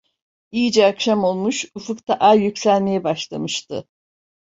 İyice akşam olmuş, ufukta ay yükselmeye başlamıştı.